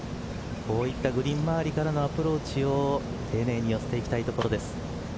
こういったグリーン周りからのアプローチは丁寧に寄せていきたいところです。